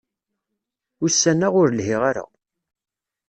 Ussan-a, ur lhiɣ ara.